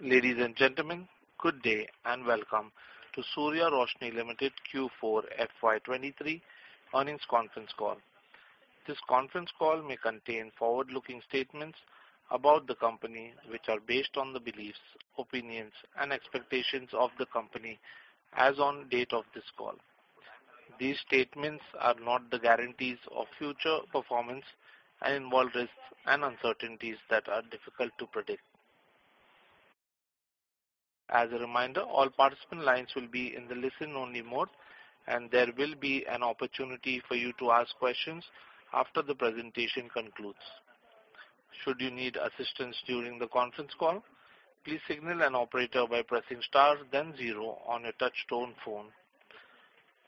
Ladies and gentlemen, good day and welcome to Surya Roshni Limited Q4 FY 2023 Earnings Conference Call. This conference call may contain forward-looking statements about the company which are based on the beliefs, opinions and expectations of the company as on date of this call. These statements are not the guarantees of future performance and involve risks and uncertainties that are difficult to predict. As a reminder, all participant lines will be in the listen-only mode, and there will be an opportunity for you to ask questions after the presentation concludes. Should you need assistance during the conference call, please signal an operator by pressing star then zero on your touchtone phone.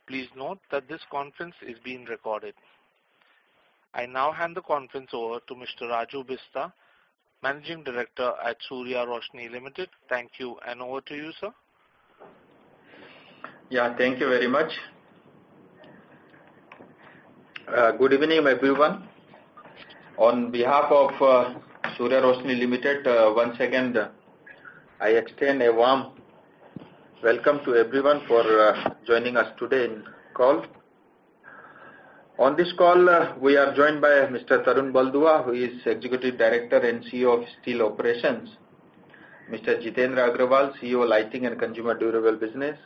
Please note that this conference is being recorded. I now hand the conference over to Mr. Raju Bista, Managing Director at Surya Roshni Limited. Thank you. Over to you, sir. Thank you very much. Good evening, everyone. On behalf of Surya Roshni Limited, once again, I extend a warm welcome to everyone for joining us today in call. On this call, we are joined by Mr. Tarun Baldua, who is Executive Director and CEO of Steel Operations, Mr. Jitendra Agrawal, CEO of Lighting and Consumer Durable Business,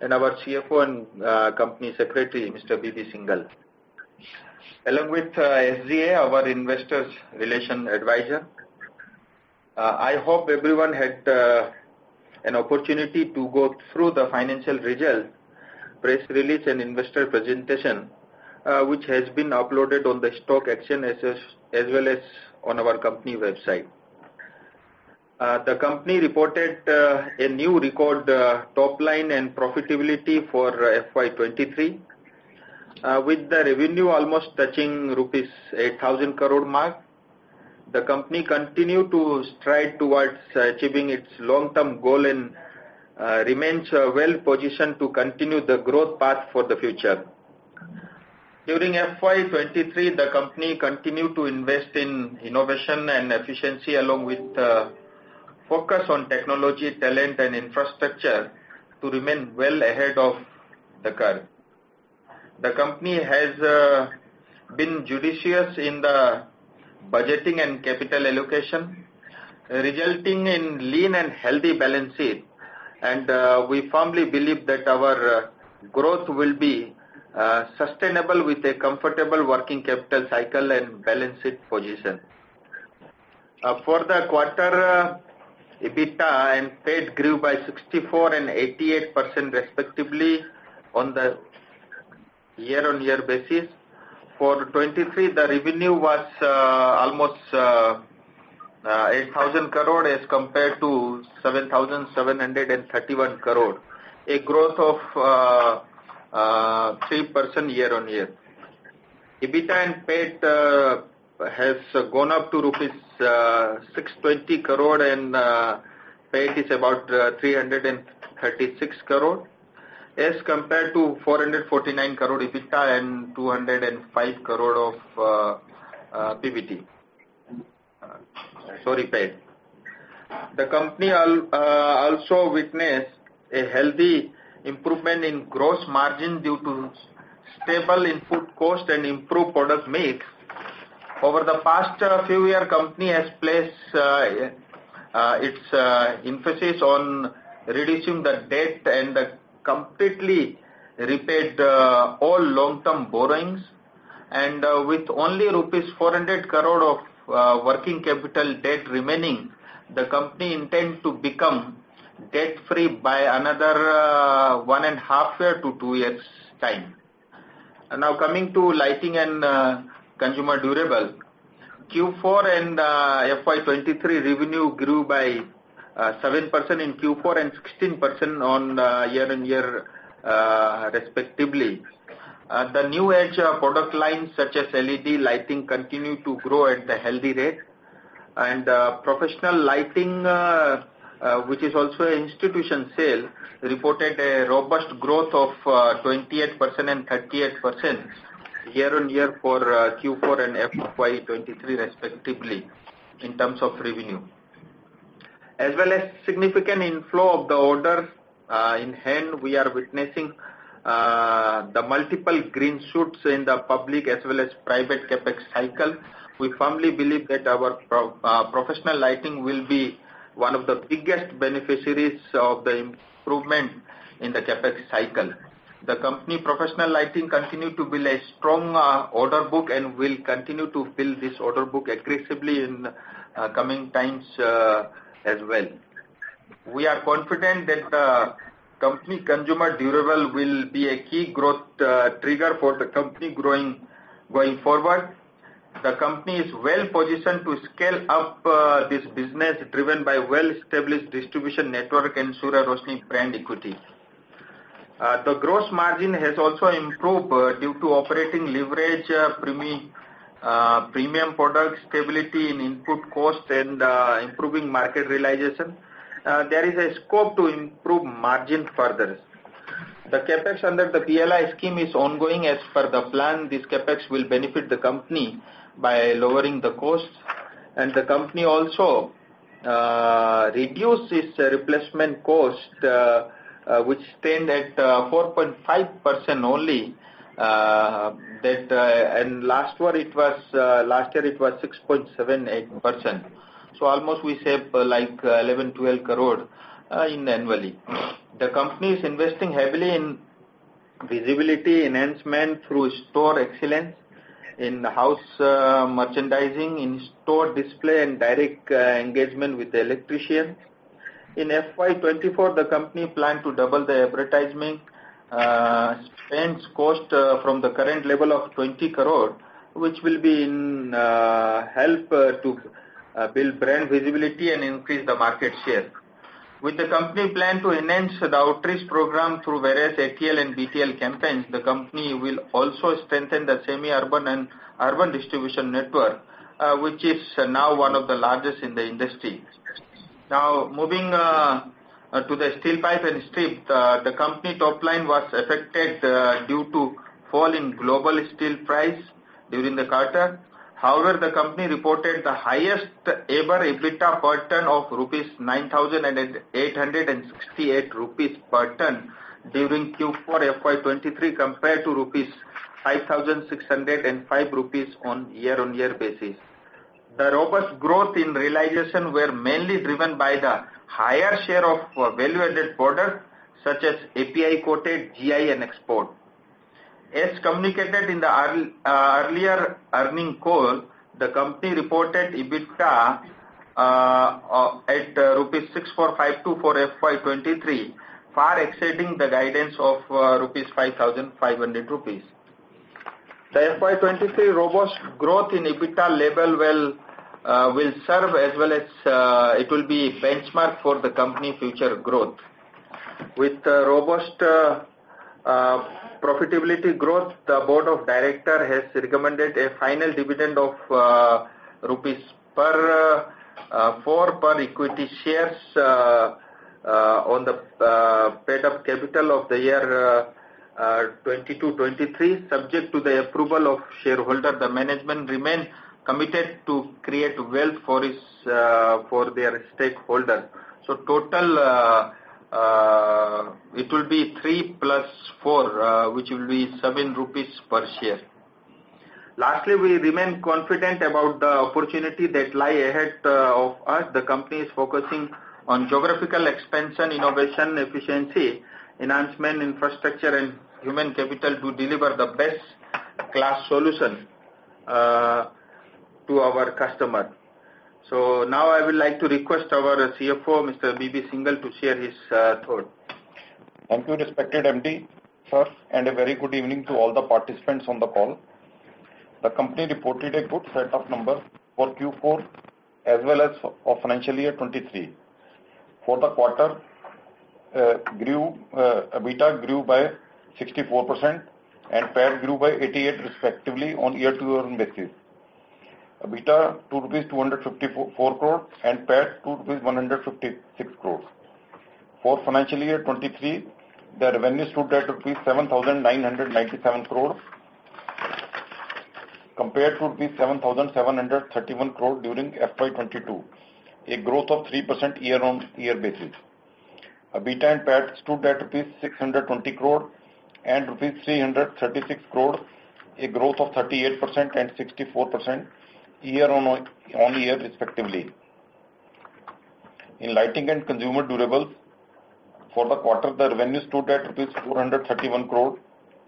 and our CFO and Company Secretary, Mr. BB Singal. Along with SGA, our Investors Relation Advisor. I hope everyone had an opportunity to go through the financial results, press release and investor presentation, which has been uploaded on the stock exchange as well as on our company website. The company reported a new record top line and profitability for FY 2023. With the revenue almost touching rupees 8,000 crore mark, the company continued to stride towards achieving its long-term goal and remains well-positioned to continue the growth path for the future. During FY 2023, the company continued to invest in innovation and efficiency, along with the focus on technology, talent and infrastructure to remain well ahead of the curve. The company has been judicious in the budgeting and capital allocation, resulting in lean and healthy balance sheet. We firmly believe that our growth will be sustainable with a comfortable working capital cycle and balance sheet position. For the quarter, EBITDA and PAT grew by 64% and 88% respectively on the year-on-year basis. For FY 2023, the revenue was almost 8,000 crore as compared to 7,731 crore, a growth of 3% year-on-year. EBITDA and PAT has gone up to rupees 620 crore, and PAT is about 336 crore as compared to 449 crore EBITDA and 205 crore PBT. Sorry, PAT. The company also witnessed a healthy improvement in gross margin due to stable input cost and improved product mix. Over the past few years, company has placed its emphasis on reducing the debt and completely repaid all long-term borrowings. With only rupees 400 crore of working capital debt remaining, the company intends to become debt-free by another one and half year to two years' time. Now coming to lighting and consumer durable. Q4 and FY 2023 revenue grew by 7% in Q4 and 16% year-on-year, respectively. The new age product lines such as LED lighting continue to grow at a healthy rate. Professional lighting, which is also an institution sale, reported a robust growth of 28% and 38% year-on-year for Q4 and FY 2023 respectively in terms of revenue. As well as significant inflow of the order in hand, we are witnessing the multiple green shoots in the public as well as private CapEx cycle. We firmly believe that our professional lighting will be one of the biggest beneficiaries of the improvement in the CapEx cycle. The company professional lighting continue to build a strong order book and will continue to fill this order book aggressively in coming times as well. We are confident that company consumer durable will be a key growth trigger for the company growing going forward. The company is well positioned to scale up this business driven by well-established distribution network and Surya Roshni brand equity. The gross margin has also improved due to operating leverage, premium product stability in input cost and improving market realization. There is a scope to improve margin further. The CapEx under the PLI scheme is ongoing as per the plan. This CapEx will benefit the company by lowering the costs, and the company also reduced its replacement cost, which stand at 4.5% only, that. Last quarter it was last year it was 6.78%. Almost we save, like, 11-12 crore annually. The company is investing heavily in visibility enhancement through store excellence in the house, merchandising, in store display, and direct engagement with the electrician. In FY 2024, the company planned to double the advertisement spends cost from the current level of 20 crore, which will be in help to build brand visibility and increase the market share. With the company plan to enhance the outreach program through various ATL and BTL campaigns, the company will also strengthen the semi-urban and urban distribution network, which is now one of the largest in the industry. Moving to the steel pipe and strip, the company top line was affected due to fall in global steel price during the quarter. The company reported the highest ever EBITDA per ton of 9,868 rupees per ton during Q4 FY 2023 compared to 5,605 rupees on year-on-year basis. The robust growth in realization were mainly driven by the higher share of value-added products such as API coated GI and export. As communicated in the earlier earning call, the company reported EBITDA at rupees 64,524 for FY 2023, far exceeding the guidance of 5,500 rupees. The FY 2023 robust growth in EBITDA level will serve as well as it will be benchmark for the company future growth. With the robust profitability growth, the Board of Director has recommended a final dividend of 4 rupees per equity shares on the paid up capital of FY 2023, subject to the approval of shareholder. The management remains committed to create wealth for their stakeholder. Total, it will be three plus four, which will be 7 rupees per share. Lastly, we remain confident about the opportunity that lie ahead of us. The company is focusing on geographical expansion, innovation, efficiency, enhancement, infrastructure and human capital to deliver the best-class solution to our customer. Now I would like to request our CFO, Mr. BB Singal to share his thought. Thank you, respected MD. First, a very good evening to all the participants on the call. The company reported a good set of numbers for Q4 as well as for FY 2023. For the quarter, EBITDA grew by 64% and PAT grew by 88% respectively on year-to-year basis. EBITDA, 254 crore and PAT, 156 crore. For FY 2023, the revenue stood at rupees 7,997 crore compared to rupees 7,731 crore during FY22, a growth of 3% year-on-year basis. EBITDA and PAT stood at rupees 620 crore and rupees 336 crore, a growth of 38% and 64% year-on-year respectively. In lighting and consumer durables for the quarter, the revenue stood at INR 431 crore,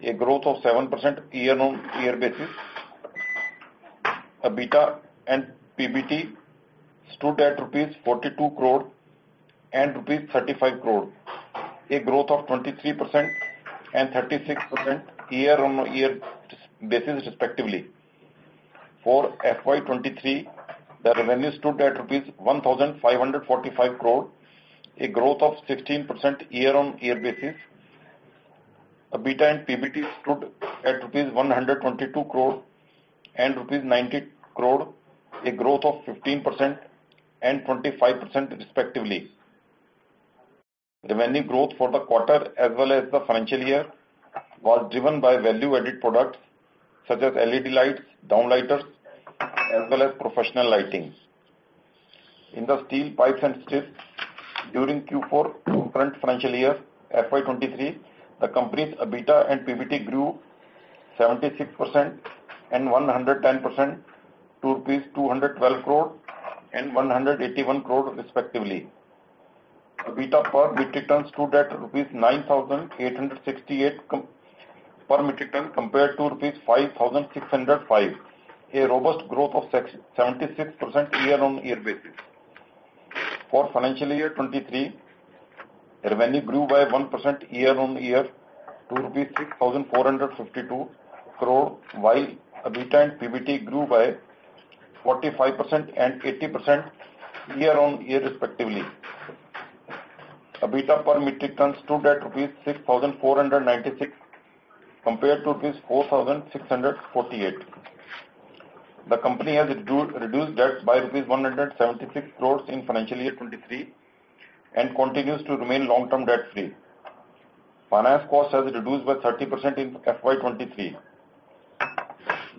a growth of 7% year-on-year basis. EBITDA and PBT stood at rupees 42 crore and rupees 35 crore, a growth of 23% and 36% year-on-year basis respectively. For FY 2023, the revenue stood at rupees 1,545 crore, a growth of 16% year-on-year basis. EBITDA and PBT stood at rupees 122 crore and rupees 90 crore, a growth of 15% and 25% respectively. Revenue growth for the quarter as well as the financial year was driven by value-added products such as LED lights, downlighters, as well as professional lighting. In the steel pipes and strips, during Q4 current financial year, FY 2023, the company's EBITDA and PBT grew 76% and 110% to rupees 212 crore and 181 crore respectively. EBITDA per metric ton stood at rupees 9,868 per metric ton compared to rupees 5,605, a robust growth of 76% year-on-year basis. For FY 2023, revenue grew by 1% year-on-year to 6,452 crore, while EBITDA and PBT grew by 45% and 80% year-on-year respectively. EBITDA per metric ton stood at 6,496 compared to 4,648. The company has reduced debts by 176 crores in FY 2023 and continues to remain long term debt free. Finance cost has reduced by 30% in FY 2023.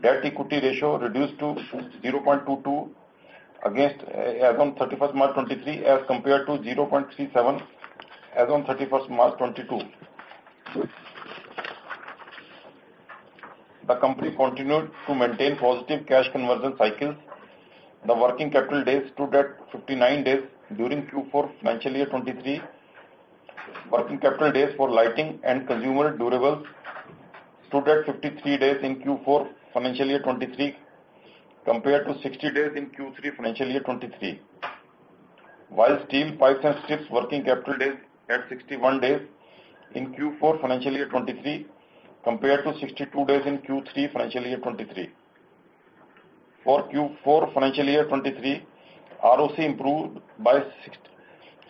Debt equity ratio reduced to 0.22 against as on 31st March, 2023 as compared to 0.37 as on 31st March, 2022. The company continued to maintain positive cash conversion cycles. The working capital days stood at 59 days during Q4 FY 2023. Working capital days for lighting and consumer durables stood at 53 days in Q4 FY 2023 compared to 60 days in Q3 FY 2023. Steel pipes and strips working capital days at 61 days in Q4 FY 2023 compared to 62 days in Q3 FY 2023. For Q4 FY 2023, ROCE improved by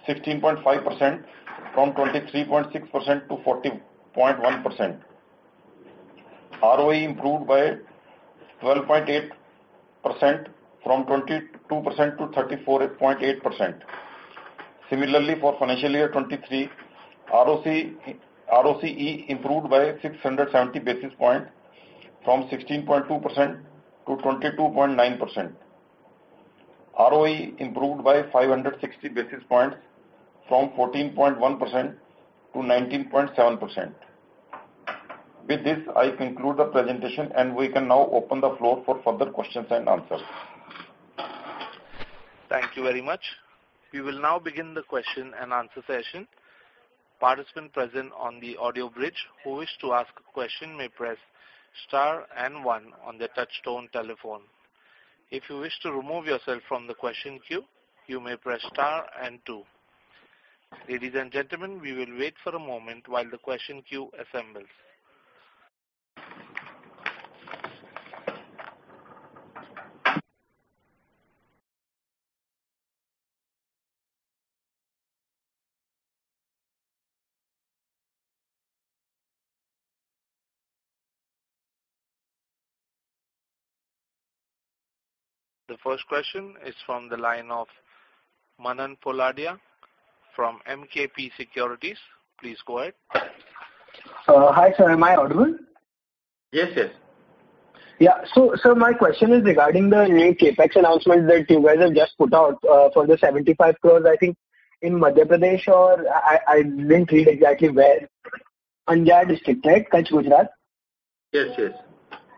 16.5% from 23.6% to 40.1%. ROE improved by 12.8% from 22% to 34.8%. Similarly, for FY 2023, ROCE improved by 670 basis point from 16.2% to 22.9%. ROE improved by 560 basis points from 14.1% to 19.7%. With this, I conclude the presentation and we can now open the floor for further questions-and-answers. Thank you very much. We will now begin the question-and-answer session. Participants present on the audio bridge who wish to ask a question may press star and one on their touchtone telephone. If you wish to remove yourself from the question queue, you may press star and two. Ladies and gentlemen, we will wait for a moment while the question queue assembles. The first question is from the line of Manan Poladia from MKP Securities. Please go ahead. Hi, sir. Am I audible? Yes, yes. Yeah. Sir, my question is regarding the new CapEx announcement that you guys have just put out for the 75 crores, I think in Madhya Pradesh or I didn't read exactly where. Anjar District, right? Kutch, Gujarat. Yes, yes.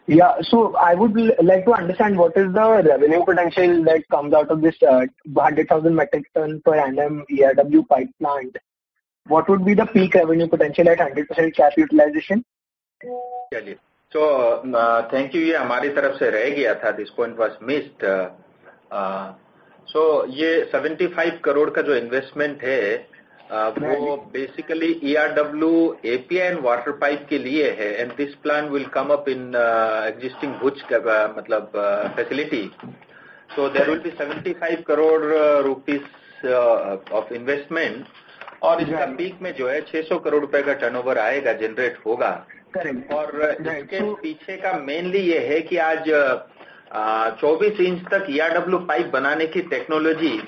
Yeah. I would like to understand what is the revenue potential that comes out of this 100,000 metric ton per annum ERW pipe plant. What would be the peak revenue potential at 100% cap utilization? Thank you. This point was missed. This 75 crore investment is basically for ERW API and water pipe, and this plant will come up in existing Bhuj facility. There will be 75 crore rupees of investment, and at its peak, 600 crore rupees of turnover will be generated. Correct. The main reason behind this is that today, up to 24 inch ERW pipe manufacturing technology,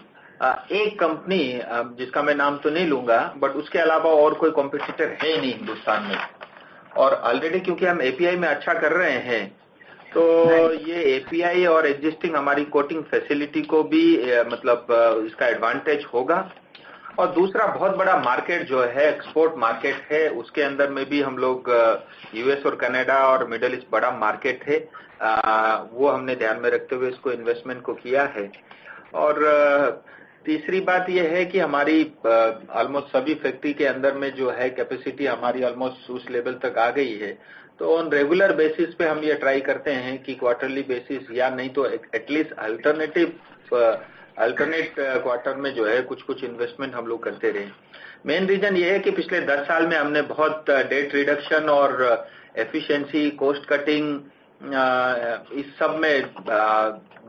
there is only one company, which I will not name, but apart from that, there is no other competitor in India. Since we are already doing well in API, so this API and our existing coating facility will also have an advantage. The second very big market is the export market. Within that too, we are focusing on the U.S., Canada, and the Middle East, which are big markets. Keeping that in mind, we have made this investment. The third thing is that in almost all our factories, our capacity has almost reached its level. On a regular basis, we try to make investments either on a quarterly basis or at least in alternate quarters. The main reason is that in the last 10 years, we have made a lot of improvements in debt reduction, efficiency, cost-cutting,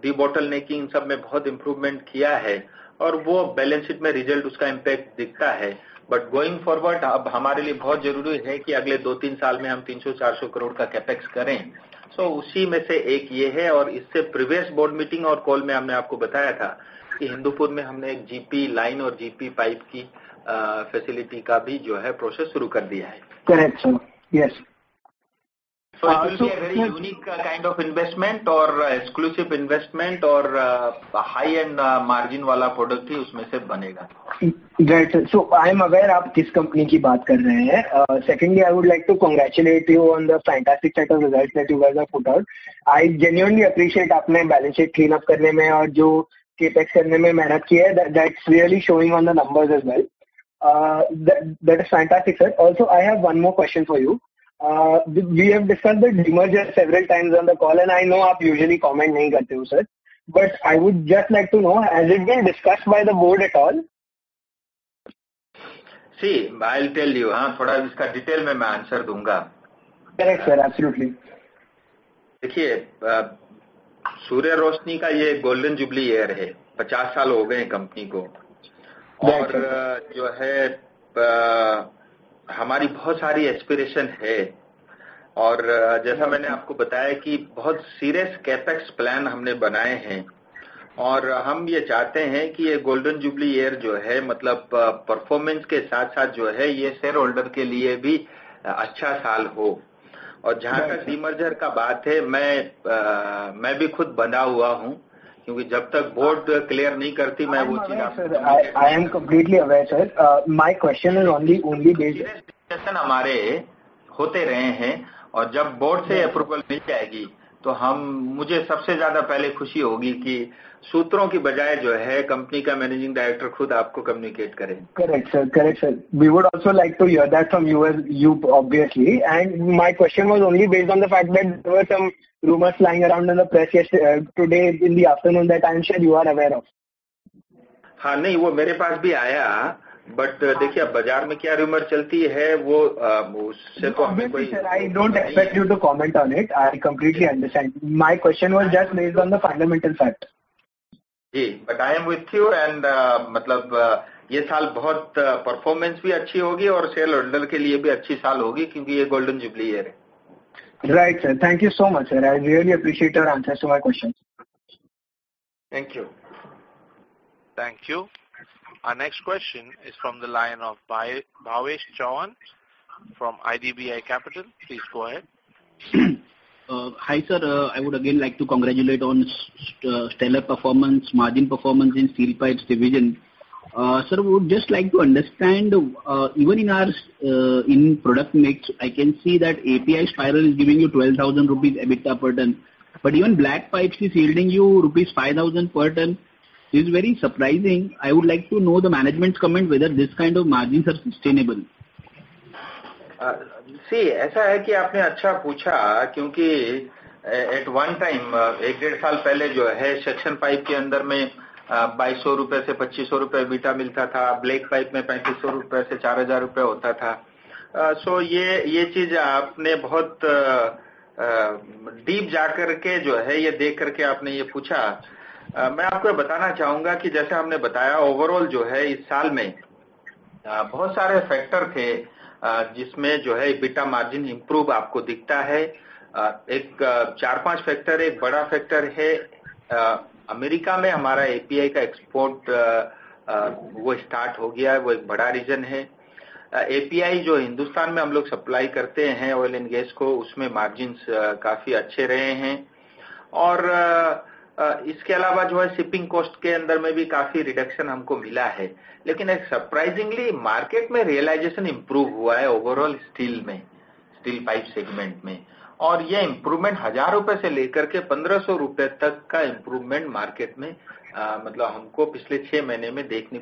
debottlenecking, and all of these. The impact of that is visible in the balance sheet. Going forward, it is very important for us that in the next two to three years, we make a CapEx of INR 300-400 crores. This is one of them. In the previous board meeting and call, I had told you that in Hindupur, we have also started the process of a GP line and GP pipe facility. Correct, sir. Yes. It will be a very unique kind of investment and exclusive investment, and it will be made from a high margin product. Right, sir. I am aware of which company you are talking about. Secondly, I would like to congratulate you on the fantastic set of results that you guys have put out. I genuinely appreciate the hard work you have put in to clean up the balance sheet and make the CapEx. That's really showing on the numbers as well. That is fantastic, sir. Also, I have one more question for you. We have discussed the demerger several times on the call, and I know you usually don't comment, sir. I would just like to know, has it been discussed by the board at all? See, I'll tell you. I will give you the answer in detail. Correct, sir. Absolutely. This is the golden jubilee year of Surya Roshni. It has been 50 years for the company. Right, sir. बहुत सारी aspiration है। जैसा मैंने आपको बताया कि बहुत serious CapEx plan हमने बनाए हैं। हम यह चाहते हैं कि यह golden jubilee year जो है मतलब performance के साथ साथ जो है यह shareholder के लिए भी अच्छा साल हो। जहां तक demerger का बात है, मैं भी खुद बंधा हुआ हूं क्योंकि जब तक board clear नहीं करती मैं वो चीज आप को नहीं बता सकता। I am completely aware, sir. My question is only based. Discussions हमारे होते रहे हैं और जब board से approval मिल जाएगी तो हम मुझे सबसे ज्यादा पहले खुशी होगी कि सूत्रों की बजाय जो है company का managing director खुद आपको communicate करें. Correct sir. We would also like to hear that from you as you obviously and my question was only based on the fact that there were some rumors flying around in the press yesterday today in the afternoon that I am sure you are aware of. हां नहीं वो मेरे पास भी आया। देखिए अब बाजार में क्या rumor चलती है वो उससे तो हम कोई। Obviously sir, I don't expect you to comment on it. I completely understand. My question was just based on the fundamental fact. Ji I am with you मतलब यह साल बहुत performance भी अच्छी होगी और shareholder के लिए भी अच्छी साल होगी क्योंकि यह golden jubilee year है। Right sir. Thank you so much sir. I really appreciate your answers to my questions. Thank you. Thank you. Our next question is from the line of Bhavesh Chauhan from IDBI Capital. Please go ahead. Hi sir, I would again like to congratulate on stellar performance, margin performance in steel pipes division. Sir, would just like to understand even in our product mix I can see that API spiral is giving you 12,000 rupees EBITDA per ton. Even black pipes is yielding you rupees 5,000 per ton is very surprising. I would like to know the management's comment whether this kind of margins are sustainable. ऐसा है कि आपने अच्छा पूछा क्योंकि at one time 1-1.5 year पहले जो है section pipe के अंदर में INR 2,200-INR 2,500 EBITDA मिलता था. black pipe में INR 3,500-INR 4,000 होता था. यह चीज आपने बहुत deep जाकर के जो है यह देख कर के आपने यह पूछा. मैं आपको बताना चाहूंगा कि जैसे हमने बताया overall जो है इस साल में बहुत सारे factors थे जिसमें जो है EBITDA margin improve आपको दिखता है. 4-5 factors है, बड़ा factor है. America में हमारा API का export वो start हो गया है. वो एक बड़ा reason है. API जो Hindustan में हम लोग supply करते हैं oil and gas को उसमें margins काफी अच्छे रहे हैं. इसके अलावा जो है shipping cost के अंदर में भी काफी reduction हमको मिला है. surprisingly market में realization improve हुआ है overall steel में steel pipe segment में. यह improvement INR 1,000-INR 1,500 तक का improvement market में मतलब हमको पिछले 6 months में देखने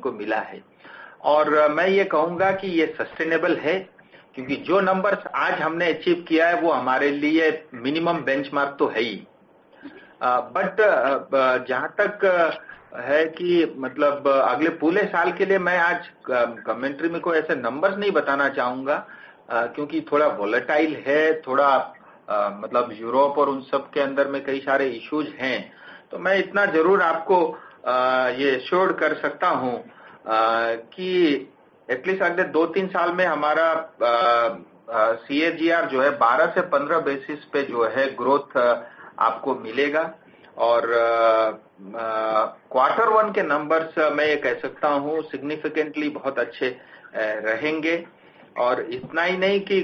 को मिला है. मैं यह कहूंगा कि यह sustainable है क्योंकि जो numbers आज हमने achieve किया है वो हमारे लिए minimum benchmark तो है ही. जहां तक है कि मतलब अगले पूरे साल के लिए मैं आज commentary में कोई ऐसे numbers नहीं बताना चाहूंगा क्योंकि थोड़ा volatile है. थोड़ा मतलब Europe और उन सब के अंदर में कई सारे issues हैं. मैं इतना जरूर आपको यह assure कर सकता हूं कि at least अगले two to three years में हमारा CAGR जो है 12-15 basis pe जो है growth आपको मिलेगा और Q1 के numbers मैं यह कह सकता हूं significantly बहुत अच्छे रहेंगे. इतना ही नहीं कि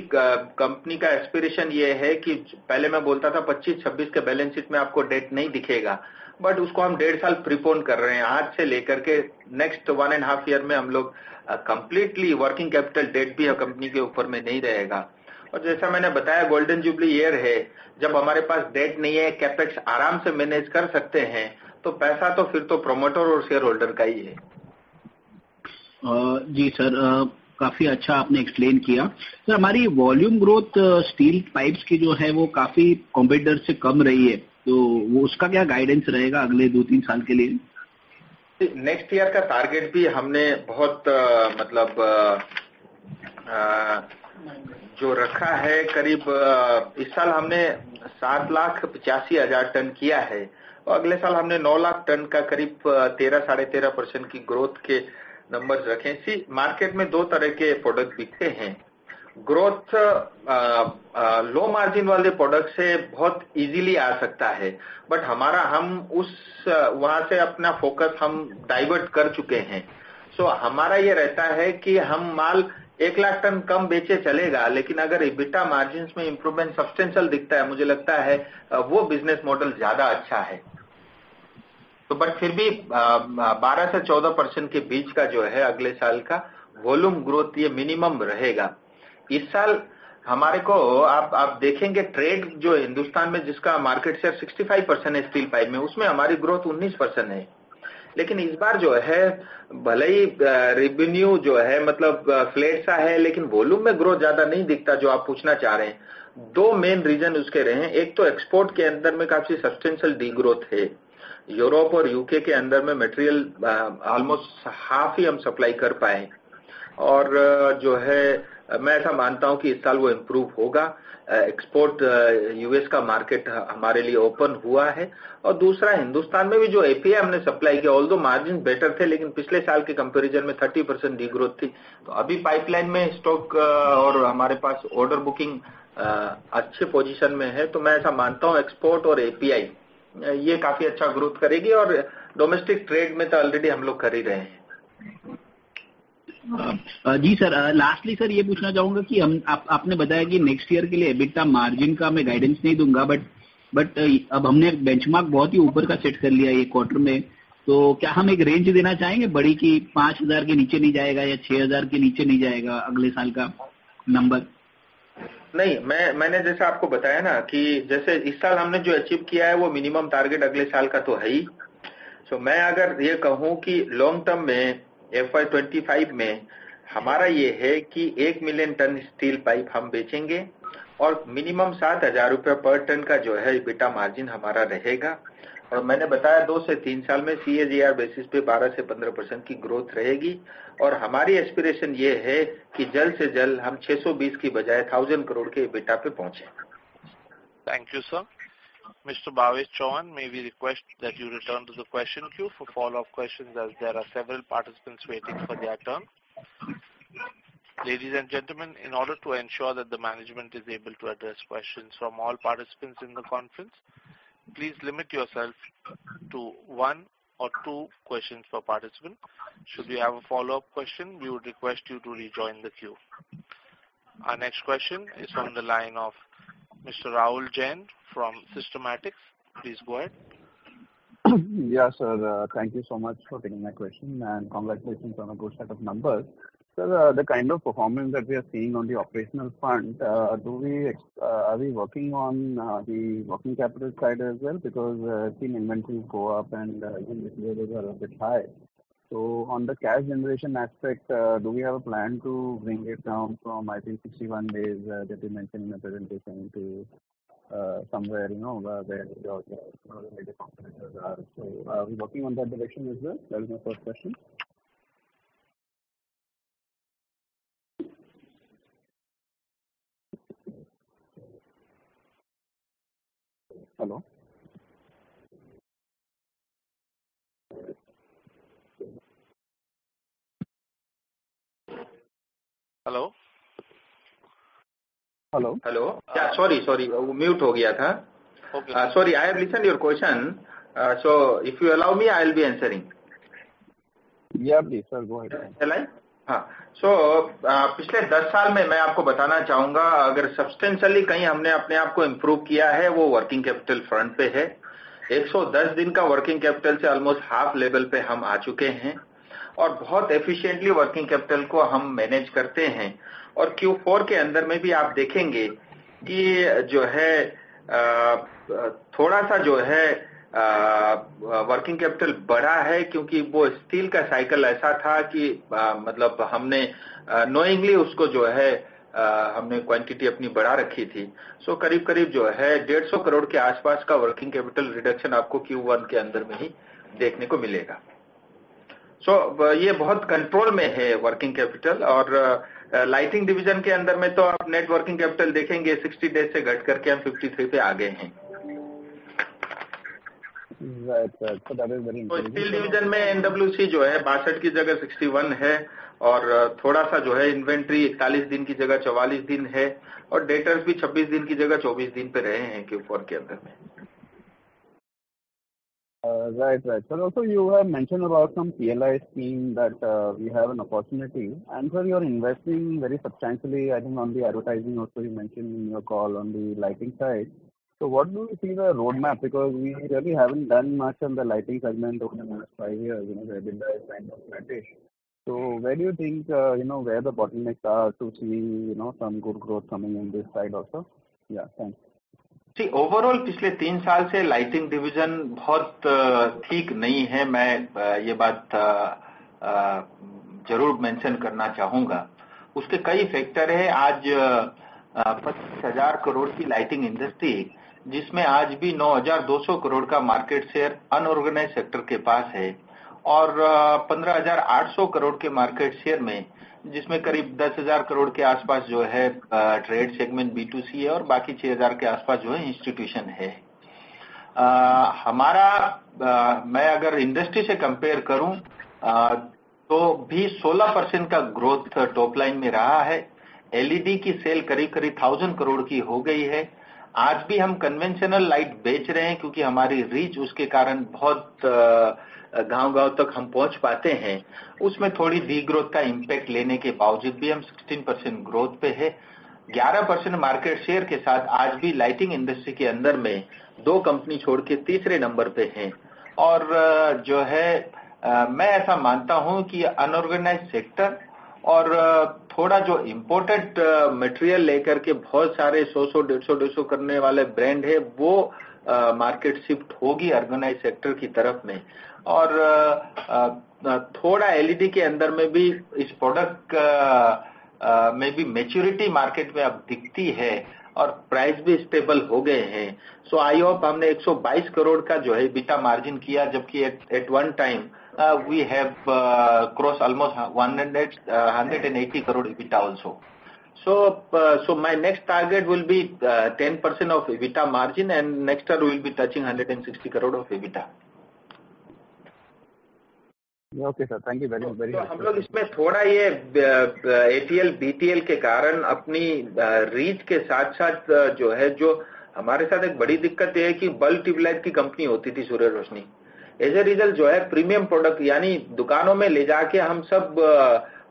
company का aspiration यह है कि पहले मैं बोलता था 2025-2026 के balance sheet में आपको debt नहीं दिखेगा. उसको हम 1.5 years prepone कर रहे हैं. आज से लेकर के next 1.5 years में हम लोग completely working capital debt भी company के ऊपर में नहीं रहेगा. जैसा मैंने बताया golden jubilee year है. जब हमारे पास debt नहीं है CapEx आराम से manage कर सकते हैं तो पैसा तो फिर तो promoter और shareholder का ही है. जी सर, काफी अच्छा आपने explain किया। सर हमारी volume growth steel pipes की जो है वो काफी competitor से कम रही है तो उसका क्या guidance रहेगा अगले 2-3 साल के लिए? Next year का target भी हमने बहुत मतलब जो रखा है करीब इस साल हमने 7 लाख 85,000 ton किया है। अगले साल हमने 9 लाख ton का करीब 13-13.5% की growth के numbers रखे हैं। See market में two तरह के product बिकते हैं। Growth low margin वाले product से बहुत easily आ सकता है। हमारा हम उस वहां से अपना focus हम divert कर चुके हैं। हमारा यह रहता है कि हम माल 1 लाख ton कम बेचे चलेगा। लेकिन अगर EBITDA margins में improvement substantial दिखता है। मुझे लगता है वो business model ज्यादा अच्छा है। फिर भी 12-14% के बीच का जो है अगले साल का volume growth यह minimum रहेगा। इस साल हमारे को आप देखेंगे trade जो हिंदुस्तान में जिसका market share 65% है steel pipe में उसमें हमारी growth 19% है। लेकिन इस बार जो है भले ही revenue जो है मतलब flat सा है लेकिन volume में growth ज्यादा नहीं दिखता जो आप पूछना चाह रहे हैं। Two main reason उसके रहे। One तो export के अंदर में काफी substantial degrowth है। Europe और UK के अंदर में material almost half ही हम supply कर पाए। जो है मैं ऐसा मानता हूं कि इस साल वह improve होगा। Export U.S. का market हमारे लिए open हुआ है और दूसरा हिंदुस्तान में भी जो API हमने supply किया although margin better थे लेकिन पिछले साल की comparison में 30% de-growth थी। अभी pipeline में stock और हमारे पास order booking अच्छे position में है तो मैं ऐसा मानता हूं export और API यह काफी अच्छा growth करेगी और domestic trade में तो already हम लोग कर ही रहे हैं। जी सर lastly सर यह पूछना चाहूंगा कि आपने बताया कि next year के लिए EBITDA margin का मैं guidance नहीं दूंगा. अब हमने benchmark बहुत ही ऊपर का set कर लिया है यह quarter में. क्या हम एक range देना चाहेंगे बड़ी कि 5,000 के नीचे नहीं जाएगा या 6,000 के नीचे नहीं जाएगा अगले साल का number? नहीं मैंने जैसा आपको बताया ना कि जैसे इस साल हमने जो achieve किया है वह minimum target अगले साल का तो है ही। मैं अगर यह कहूं कि long term में FY 2025 में हमारा यह है कि 1 million ton steel pipe हम बेचेंगे और minimum INR 7,000 per ton का जो है EBITDA margin हमारा रहेगा। मैंने बताया two to three years में CAGR basis पर 12%-15% की growth रहेगी और हमारी aspiration यह है कि जल्द से जल्द हम INR 620 crore की बजाय INR 1,000 crore के EBITDA पर पहुंचे। Thank you, sir. Mr. Bhavesh Chauhan may we request that you return to the question queue for follow up question as there are several participants waiting for their turn. Ladies and gentlemen, in order to ensure that the management is able to address questions from all participants in the conference, please limit yourself to one or two questions per participant. Should we have a follow up question, we would request you to rejoin the queue. Our next question is from the line of Mr. Rahul Jain from Systematix. Please go ahead. Yes sir, thank you so much for taking my question and congratulations on a good set of numbers. Sir, the kind of performance that we are seeing on the operational front. Are we working on the working capital side as well because I've seen inventories go up and even retailers are a bit high. On the cash generation aspect, do we have a plan to bring it down from I think 61 days that you mentioned in the presentation to somewhere you know where your major competitors are. Are we working on that direction as well? That was my first question. Hello. Hello. Hello. Sorry, sorry mute हो गया था। Sorry, I have listened your question. If you allow me, I will be answering. Yeah please sir go ahead. पिछले 10 साल में मैं आपको बताना चाहूंगा अगर substantially कहीं हमने अपने आप को improve किया है वो working capital front पे है। 110 दिन का working capital से almost half level पे हम आ चुके हैं और बहुत efficiently working capital को हम manage करते हैं। Q4 के अंदर में भी आप देखेंगे कि जो है, थोड़ा सा जो है working capital बढ़ा है क्योंकि वो steel का cycle ऐसा था कि मतलब हमने knowingly उसको जो है हमने quantity अपनी बढ़ा रखी थी। करीब-करीब जो है INR 150 crore के आसपास का working capital reduction आपको Q1 के अंदर में ही देखने को मिलेगा। यह बहुत control में है working capital और lighting division के अंदर में तो आप net working capital देखेंगे 60 days से घट करके हम 53 पे आ गए हैं। Right sir. Steel division में NWC जो है 62 की जगह 61 है और थोड़ा सा जो है inventory 41 दिन की जगह 44 दिन है और debtors भी 26 दिन की जगह 24 दिन पे रहे हैं Q4 के अंदर में। Right. Sir also you have mentioned about some PLI scheme that we have an opportunity and when you are investing very substantially I think on the advertising also you mentioned in your call on the lighting side. What do you see the roadmap because we really haven't done much on the lighting segment over the last five years so where do you think you know where the bottlenecks are to see you know some good growth coming in this side also? Yeah, thanks. See overall पिछले 3 साल से lighting division बहुत ठीक नहीं है। मैं यह बात जरूर mention करना चाहूंगा। उसके कई factor है। आज INR 15,000 crore की lighting industry जिसमें आज भी 9,200 crore का market share unorganized sector के पास है और 15,800 crore के market share में जिसमें करीब 10,000 crore के आसपास जो है trade segment B2C है और बाकी 6,000 crore के आसपास जो institution है। हमारा मैं अगर industry से compare करूं तो भी 16% का growth top line में रहा है। LED की sale करीब-करीब INR 1,000 crore की हो गई है। आज भी हम conventional light बेच रहे हैं क्योंकि हमारी reach उसके कारण बहुत गांव-गांव तक हम पहुंच पाते हैं। उसमें थोड़ी de-growth का impact लेने के बावजूद भी हम 16% growth पे है। 11% market share के साथ आज भी lighting industry के अंदर में two company छोड़ के तीसरे number पे हैं। जो है मैं ऐसा मानता हूं कि unorganized sector और थोड़ा जो imported material लेकर के बहुत सारे 100-100, 150-150 करने वाले brand है वो market shift होगी organized sector की तरफ में और थोड़ा LED के अंदर में भी इस productMaybe maturity market में अब दिखती है और price भी stable हो गए हैं। I hope हमने 122 crore का जो EBITDA margin किया जबकि at one time we have cross almost INR 180 crore EBITDA also. My next target will be 10% of EBITDA margin and next year we will be touching 160 crore of EBITDA. Okay sir, thank you very much. हम लोग इसमें थोड़ा यह ATL, BTL के कारण अपनी reach के साथ-साथ जो है हमारे साथ एक बड़ी दिक्कत यह है कि bulb tube light की company होती थी Surya Roshni. जो है premium product यानी दुकानों में ले जाकर हम सब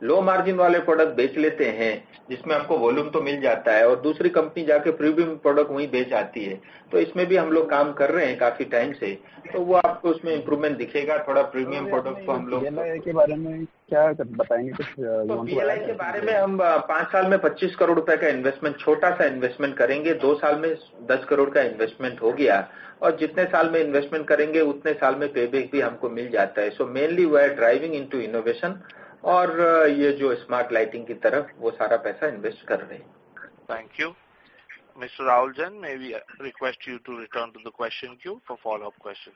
low margin वाले product बेच लेते हैं, जिसमें हमको volume तो मिल जाता है और दूसरी company जाकर premium product वहीं बेच आती है. इसमें भी हम लोग काम कर रहे हैं काफी time से. वह आपको उसमें improvement दिखेगा. थोड़ा premium product को हम लोग. DLI के बारे में क्या बताएंगे कुछ? DLI के बारे में हम 5 साल में INR 25 crore का investment, छोटा सा investment करेंगे। 2 साल में INR 10 crore का investment हो गया और जितने साल में investment करेंगे, उतने साल में payback भी हमको मिल जाता है। Mainly we are driving into innovation और यह जो smart lighting की तरफ वह सारा पैसा invest कर रहे हैं। Thank you. Mr. Rahul Jain, may we request you to return to the question queue for follow-up questions.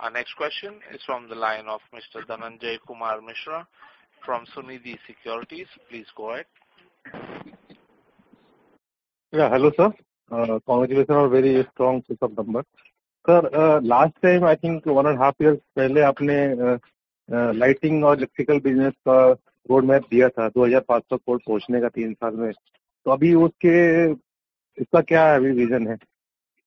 Our next question is from the line of Mr. Dhananjay Kumar Mishra from Sunidhi Securities. Please go ahead. Hello sir, congratulations on very strong Q3 of September. Sir, last time I think 1.5 years पहले आपने lighting और electrical business का roadmap दिया था 2,500 crore पहुंचने का 3 years में. अभी उसके, इसका क्या vision है?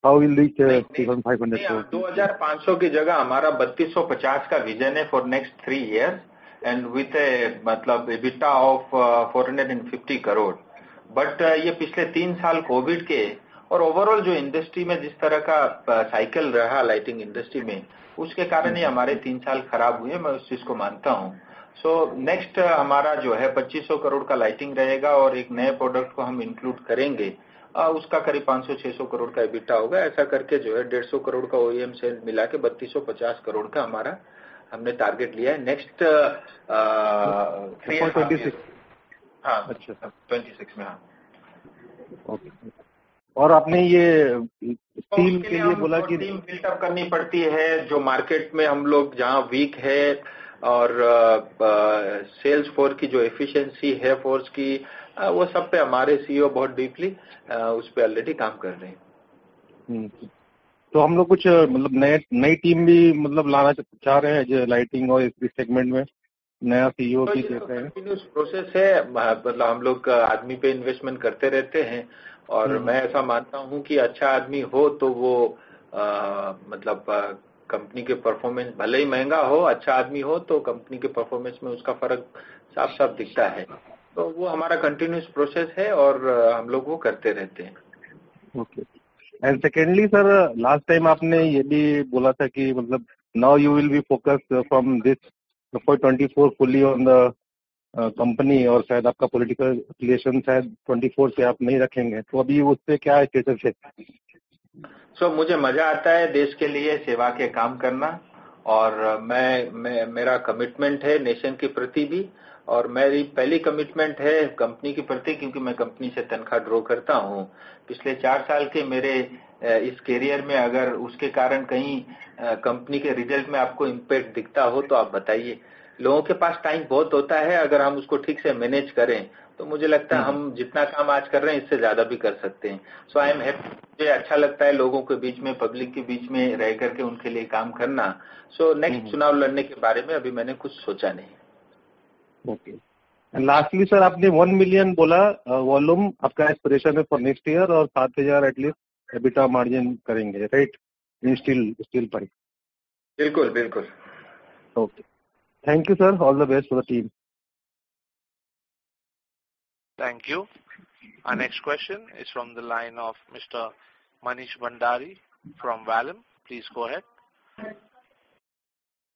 How will reach INR 2,500 crore? 2,500 की जगह हमारा INR 3,250 का vision है for next 3 years and with a मतलब EBITDA of INR 450 crore. यह पिछले 3 years COVID के और overall जो industry में जिस तरह का cycle रहा lighting industry में, उसके कारण ही हमारे 3 years खराब हुए, मैं उस चीज को मानता हूं. next हमारा जो है INR 2,500 crore का lighting रहेगा और एक नए product को हम include करेंगे। उसका करीब 500 crore-600 crore का EBITDA होगा। ऐसा करके जो है INR 150 crore का OEM sales मिलाकर INR 3,250 crore का हमारा, हमने target लिया है next 3 years. 2026. हां, 26. आपने यह team के लिए बोला कि। Team built up करनी पड़ती है। जो market में हम लोग जहां weak है और sales force की जो efficiency है force की, वह सब पर हमारे CEO बहुत deeply उस पर already काम कर रहे हैं। हम लोग कुछ नई team भी लाना चाह रहे हैं। जो lighting और इस segment में नया CEO भी दे रहे हैं। Continuous process है। मतलब हम लोग आदमी पर investment करते रहते हैं और मैं ऐसा मानता हूं कि अच्छा आदमी हो तो वह मतलब company के performance, भले ही महंगा हो, अच्छा आदमी हो तो company के performance में उसका फर्क साफ-साफ दिखता है। वह हमारा continuous process है और हम लोग वह करते रहते हैं। Okay. Secondly sir, last time आपने यह भी बोला था कि मतलब now you will be focused from this before 2024 fully on the company और शायद आपका political affiliation शायद 2024 से आप नहीं रखेंगे। तो अभी उस पर क्या status है? Sir, मुझे मजा आता है देश के लिए सेवा के काम करना और मैं, मेरा commitment है nation के प्रति भी और मेरी पहली commitment है company के प्रति क्योंकि मैं company से तनख्वाह draw करता हूं। पिछले four साल के मेरे इस career में अगर उसके कारण कहीं company के result में आपको impact दिखता हो तो आप बताइए? लोगों के पास time बहुत होता है। अगर हम उसको ठीक से manage करें तो मुझे लगता है हम जितना काम आज कर रहे हैं, इससे ज्यादा भी कर सकते हैं। I am happy. मुझे अच्छा लगता है लोगों के बीच में, public के बीच में रहकर के उनके लिए काम करना। next चुनाव लड़ने के बारे में अभी मैंने कुछ सोचा नहीं है। Okay. Lastly sir, आपने 1 million बोला volume आपका aspiration है for next year और INR 7,000 at least EBITDA margin करेंगे, right? In steel pipe. बिल्कुल, बिल्कुल। Okay. Thank you sir. All the best for the team. Thank you. Our next question is from the line of Mr. Manish Bhandari from Vallum. Please go ahead.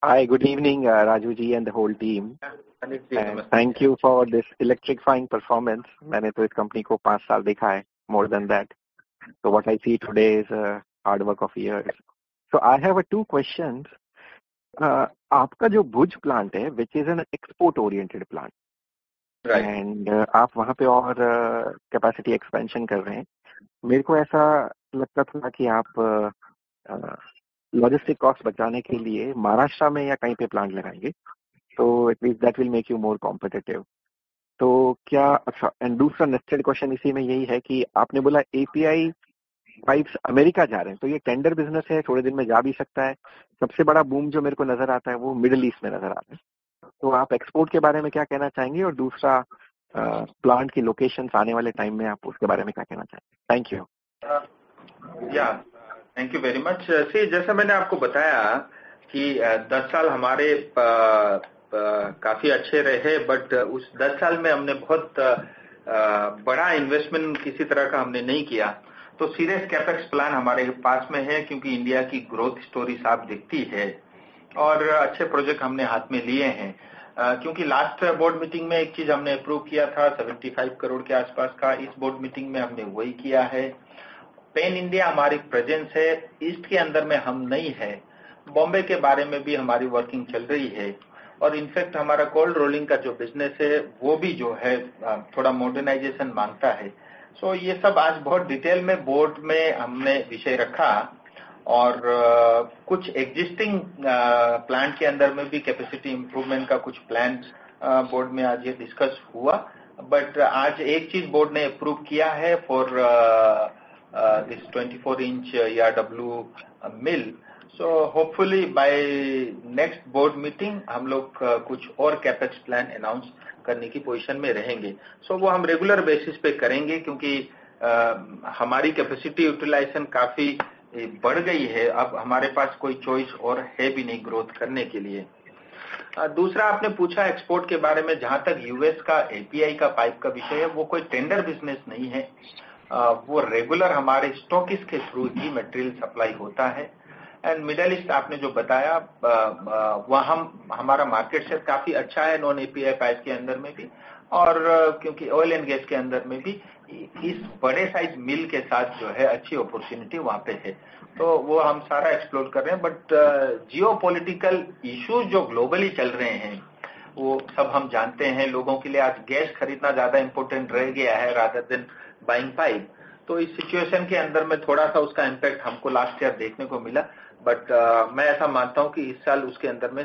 Hi, good evening Raju and the whole team. Thank you for this electrifying performance. मैंने तो इस company को 5 साल देखा है more than that. What I see today is hard work of years. I have a 2 questions. आपका जो भुज plant है which is an export oriented plant. Right. आप वहां पर और capacity expansion कर रहे हैं। मेरे को ऐसा लगता था कि आप logistic cost बचाने के लिए महाराष्ट्र में या कहीं पर plant लगाएंगे। At least that will make you more competitive. अच्छा, and दूसरा necessary question इसी में यही है कि आपने बोला API pipes America जा रहे हैं। यह tender business है, थोड़े दिन में जा भी सकता है। सबसे बड़ा boom जो मेरे को नजर आता है, वह Middle East में नजर आता है। आप export के बारे में क्या कहना चाहेंगे? और दूसरा plant की locations आने वाले time में आप उसके बारे में क्या कहना चाहेंगे? Thank you. Yeah, thank you very much. जैसा मैंने आपको बताया कि 10 साल हमारे काफी अच्छे रहे, उस 10 साल में हमने बहुत बड़ा investment किसी तरह का हमने नहीं किया. Serious CapEx plan हमारे पास में है India की growth story साफ दिखती है और अच्छे project हमने हाथ में लिए हैं. Last board meeting में एक चीज हमने approve किया था 75 crore के आसपास का. इस board meeting में हमने वही किया है. Pan India हमारी presence है. East के अंदर में हम नहीं है. Bombay के बारे में भी हमारी working चल रही है in fact हमारा cold rolling का जो business है वो भी जो है थोड़ा modernization मांगता है. ये सब आज बहुत detail में board में हमने विषय रखा और कुछ existing plant के अंदर में भी capacity improvement का कुछ plans board में आज discuss हुआ. आज एक चीज board ने approve किया है for this 24 inch ERW mill hopefully by next board meeting हम लोग कुछ और CapEx plan announce करने की position में रहेंगे. वो हम regular basis पर करेंगे हमारी capacity utilization काफी बढ़ गई है. अब हमारे पास कोई choice और है भी नहीं growth करने के लिए. दूसरा आपने पूछा export के बारे में जहां तक U.S. का API का pipe का विषय है वो कोई tender business नहीं है. वो regular हमारे stockist के through ही material supply होता है Middle East आपने जो बताया वहां हमारा market share काफी अच्छा है non API pipes के अंदर में भी oil and gas के अंदर में भी इस बड़े size mill के साथ जो है अच्छी opportunity वहां पे है तो वो हम सारा explore कर रहे हैं. Geopolitical issues जो globally चल रहे हैं वो सब हम जानते हैं. लोगों के लिए आज gas खरीदना ज्यादा important रह गया है rather than buying pipe. इस situation के अंदर में थोड़ा सा उसका impact हमको last year देखने को मिला। मैं ऐसा मानता हूं कि इस साल उसके अंदर में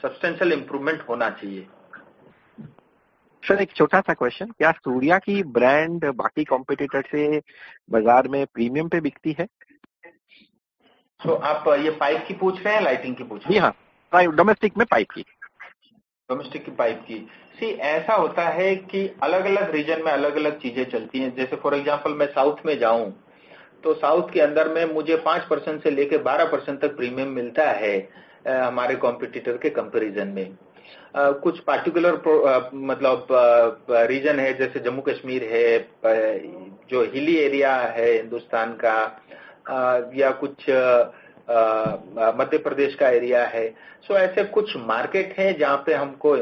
substantial improvement होना चाहिए। Sir एक छोटा सा question क्या Surya की brand बाकी competitor से बाजार में premium पे बिकती है? तो आप ये pipe की पूछ रहे हैं lighting की पूछ रहे हैं? हाँ, domestic में pipe की। Domestic pipe की. see ऐसा होता है कि अलग अलग region में अलग अलग चीजें चलती हैं. जैसे for example मैं South में जाऊं तो South के अंदर में मुझे 5%-12% तक premium मिलता है हमारे competitor के comparison में. कुछ particular मतलब region है जैसे Jammu Kashmir है, जो hilly area है Hindustan का या कुछ Madhya Pradesh का area है. ऐसे कुछ market है जहां पे हमको